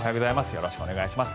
よろしくお願いします。